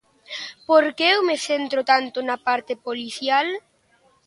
Por que eu me centro tanto na parte policial?